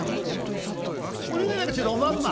お願いだからちょっとおまんま」。